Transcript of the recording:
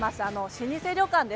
老舗旅館